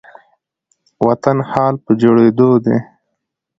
وطن حال په جوړيدو دي